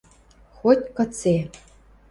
– Хоть-кыце...